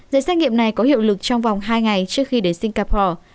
giấy xét nghiệm này có hiệu lực trong vòng hai ngày trước khi đến singapore